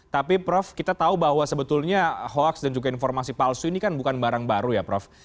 tapi prof kita tahu bahwa sebetulnya hoax dan juga informasi palsu ini kan bukan barang baru ya prof